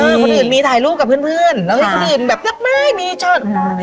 คนอื่นมีถ่ายลูกกับเพื่อนเพื่อนแล้วให้คนอื่นแบบดอกไม้มีชอบอืม